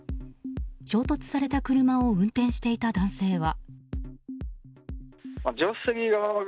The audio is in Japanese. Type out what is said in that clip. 衝突された車を運転していた男性は。